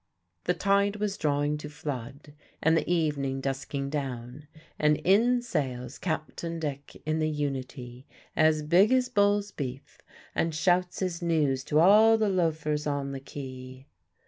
The tide was drawing to flood and the evening dusking down, and in sails Captain Dick in the Unity as big as bull's beef, and shouts his news to all the loafers on the quay.